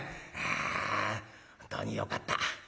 あ本当によかった。